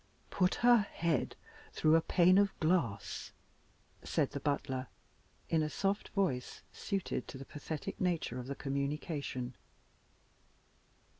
"Put her head through a pane of glass," said the butler, in a soft voice suited to the pathetic nature of the communication.